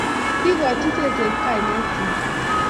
Kagikochi seset kainet Tim